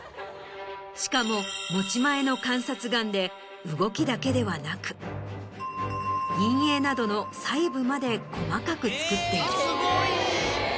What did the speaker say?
しかも持ち前の観察眼で動きだけではなく陰影などの細部まで細かく作っている。